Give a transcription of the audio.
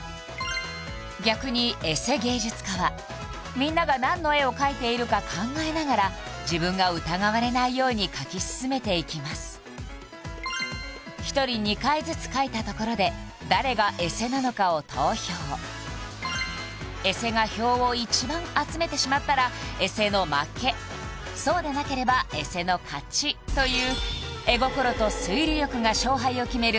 逆にエセ芸術家はみんなが何の絵を描いているか考えながら自分が疑われないように描き進めていきます１人２回ずつ描いたところで誰がエセなのかを投票エセが票を一番集めてしまったらエセの負けそうでなければエセの勝ちという